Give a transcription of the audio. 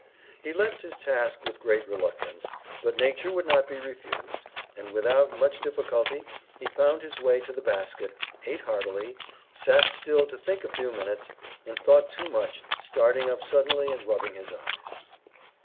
He left his task with reluctance, but nature would not be refused, and without much difficulty he found his way to the basket, ate heartily, sat still to think a few minutes, and thought too much, starting up suddenly and rubbing his eyes.